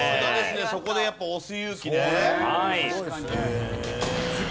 そこでやっぱ押す勇気ね。